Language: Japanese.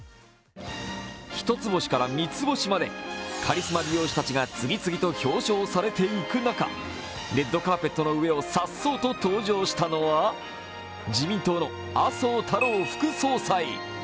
一つ星から三つ星までカリスマ美容師たちが次々と表彰されていく中、レッドカーペットの上を颯爽と登場したのは自民党の麻生太郎副総裁。